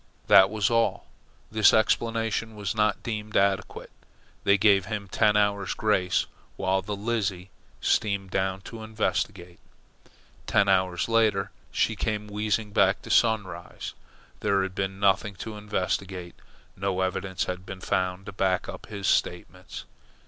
That was all. This explanation was not deemed adequate. They gave him ten hours' grace while the Lizzie steamed down to investigate. Ten hours later she came wheezing back to Sunrise. There had been nothing to investigate. No evidence had been found to back up his statements.